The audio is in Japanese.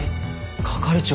係長。